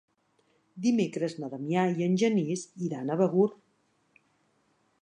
Dimecres na Damià i en Genís iran a Begur.